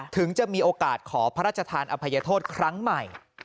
ถึงจะมีโอกาสขอพระราชทานอภัยโทษครั้งใหม่